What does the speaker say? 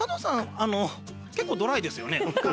あの結構ドライですよね。